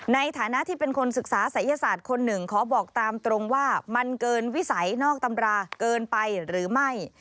ในฐานะที่เป็นคนศึกษาศัยศาสตร์คนหนึ่งขอบอกตามตรงว่ามันเกินวิสัยนอกตำราเกินไปหรือไม่